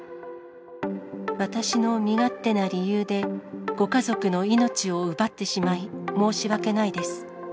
私の身勝手な理由で、ご家族の命を奪ってしまい、申し訳ないです。